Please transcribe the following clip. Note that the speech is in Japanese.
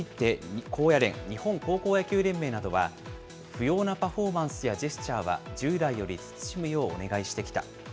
これについて、高野連・日本高校野球連盟などは、不要なパフォーマンスやジェスチャーは、従来より慎むようお願いしてきた。